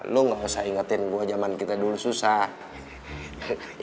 lu gak usah ingetin gue zaman kita dulu susah